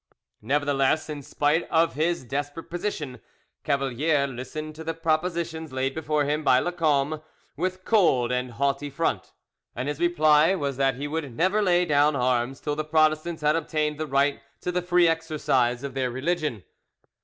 Nevertheless, in spite of his desperate position, Cavalier listened to the propositions laid before him by Lacombe with cold and haughty front, and his reply was that he would never lay down arms till the Protestants had obtained the right to the free exercise of their religion.